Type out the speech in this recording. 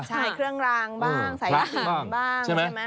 ใช่เครื่องรางบ้างสายอาหารบ้าง